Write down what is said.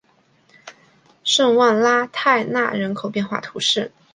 圣旺拉泰讷人口变化图示